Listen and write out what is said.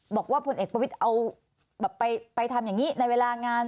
บอกว่าพลเอกประวิทย์เอาไปทำอย่างนี้ในเวลางาน